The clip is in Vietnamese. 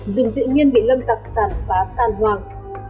rừng tự nhiên bị lâm tập tàn phá tàn hoàng